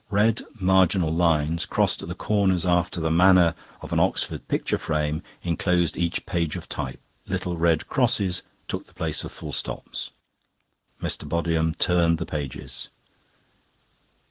Red marginal lines, crossed at the corners after the manner of an Oxford picture frame, enclosed each page of type, little red crosses took the place of full stops. Mr. Bodiham turned the pages.